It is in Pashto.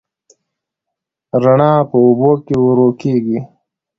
رڼا په اوبو کې ورو کېږي.